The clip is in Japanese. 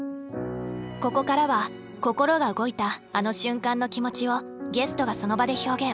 ここからは心が動いたあの瞬間の気持ちをゲストがその場で表現。